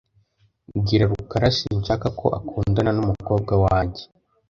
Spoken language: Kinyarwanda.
Bwira rukara sinshaka ko akundana n'umukobwa wanjye .